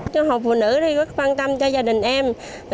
cho hộp phụ nữ thì rất quan tâm cho gia đình em